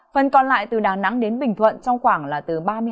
phần còn lại từ đà nẵng đến bình thuận trong khoảng là từ ba mươi hai ba mươi năm độ